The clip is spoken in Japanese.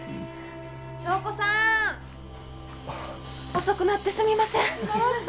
・祥子さん！遅くなってすみません。